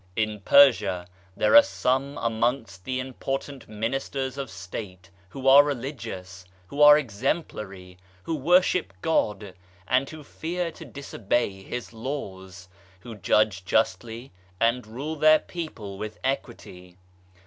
In Persia there are some amongst the important Ministers of State who are Religious, who are exemplary, who worship God, and who fear to disobey His Laws, who judge justly and rule their people with Equity.